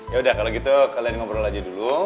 yaudah kalo gitu kalian ngobrol aja dulu